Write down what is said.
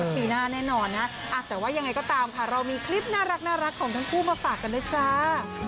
ปีหน้าแน่นอนนะแต่ว่ายังไงก็ตามค่ะเรามีคลิปน่ารักของทั้งคู่มาฝากกันด้วยจ้า